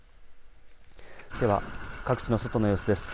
では各地の外の様子です。